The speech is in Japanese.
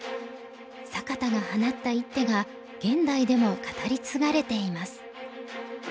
坂田が放った一手が現代でも語り継がれています。